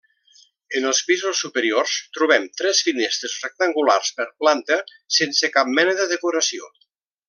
En els pisos superiors trobem tres finestres rectangulars per planta sense cap mena de decoració.